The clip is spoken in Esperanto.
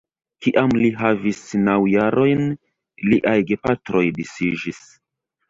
Kiam li havis naŭ jarojn, liaj gepatroj disiĝis.